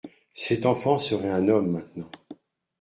Cet enfant serait un homme maintenant.